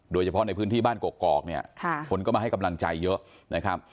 โดยเฉพาะในพื้นที่บ้านกอกเนี่ยคนก็มาให้กำลังใจเยอะนะครับ